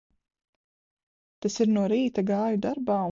Tas ir no rīta gāju darbā un vakarā mani atveda atpakaļ nometnē.